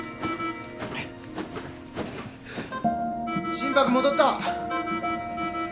心拍戻った！